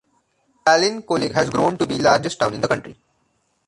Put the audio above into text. Ballincollig has grown to be largest town in the county.